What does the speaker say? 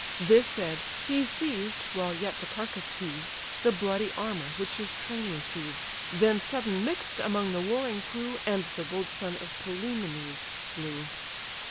This said, he seized (while yet the carcase heaved) The bloody armour, which his train received: Then sudden mix'd among the warring crew, And the bold son of Pylæmenes slew.